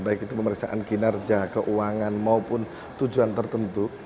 baik itu pemeriksaan kinerja keuangan maupun tujuan tertentu